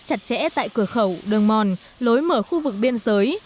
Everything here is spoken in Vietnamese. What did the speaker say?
giám sát chặt chẽ tại cửa khẩu đường mòn lối mở khu vực biên giới